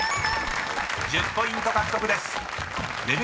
［１０ポイント獲得です。